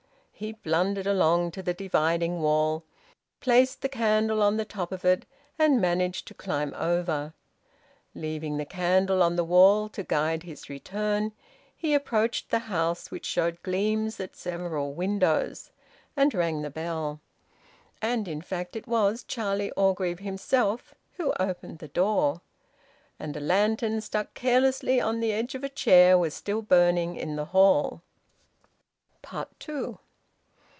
He blundered along to the dividing wall, placed the candle on the top of it, and managed to climb over. Leaving the candle on the wall to guide his return, he approached the house, which showed gleams at several windows, and rang the bell. And in fact it was Charlie Orgreave himself who opened the door. And a lantern, stuck carelessly on the edge of a chair, was still burning in the hall. TWO.